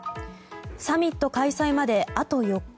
サミット開催まであと４日。